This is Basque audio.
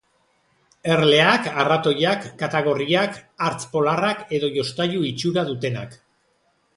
Erleak, arratoiak, katagorriak, hartz polarrak edo jostailu itxura dutenak.